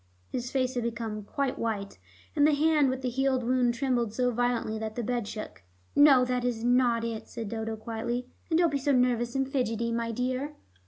His face had become quite white, and the hand with the healed wound trembled so violently that the bed shook. "No, that is not it," said Dodo quietly. "And don't be so nervous and fidgety, my dear."